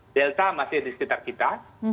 delta masih di sekitar kita